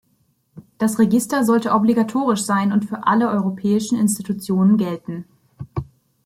Das Register sollte obligatorisch sein und für alle europäischen Institutionen gelten.